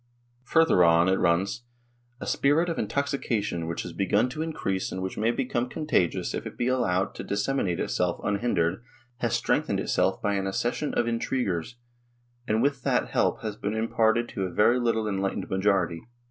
Further on, it runs :" A spirit of intoxication which has begun to increase and which may become contagious if D 2 36 NORWAY AND THE UNION WITH SWEDEN // be allowed to disseminate itself unhindered, has strengthened itself by an accession of intriguers and with that help has been imparted to a very little enlightened majority